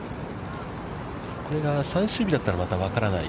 これが最終日だったら、また分からない。